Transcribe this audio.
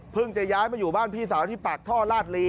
เพิ่งจะย้ายมาอยู่บ้านพี่สาวที่ปากท่อราธเล